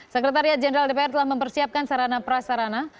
sekretariat jenderal dpr telah mempersiapkan sarana prasarana